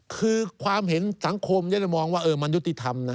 คือความเห็นสังคมอย่ามองว่ามันยุติธรรมนะ